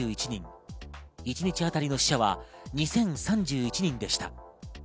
一日当たりの死者は２０３１人でした。